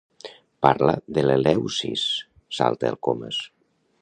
Parla de l'Eleusis! —salta el Comas.